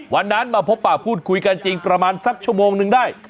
วันนั้นมาพบป่าพูดคุยกันจริงประมาณสักชั่วโมงนึงได้